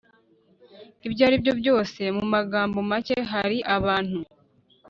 Ibyo ari byo byose, mu magambo macye, hari abant